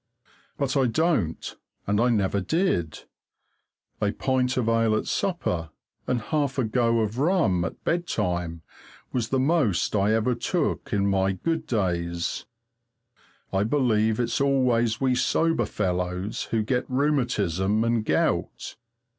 But I don't, and I never did. A pint of ale at supper and half a go of rum at bedtime was the most I ever took in my good days. I believe it's always we sober fellows who get rheumatism and gout!